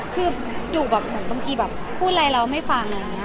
คือดุแบบบางทีแบบพูดอะไรเราไม่ฟังอะไรอย่างนี้ค่ะ